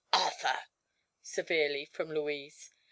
"Arthur!" Severely, from Louise.